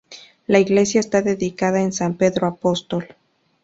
La iglesia está dedicada a san Pedro Apóstol.